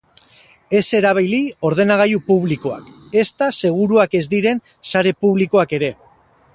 Ez erabili ordenagailu publikoak, ezta seguruak ez diren sare publikoak ere.